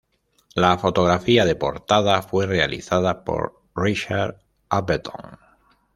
La fotografía de portada fue realizada por Richard Avedon.